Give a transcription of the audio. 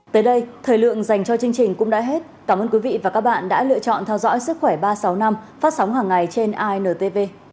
các bạn hãy đăng ký kênh để ủng hộ kênh của chúng mình nhé